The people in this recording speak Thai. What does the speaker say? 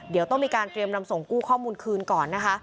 เดี๋ยวต้องมีการเตรียมนำส่งกู้ข้อมูลคืนก่อนนะคะ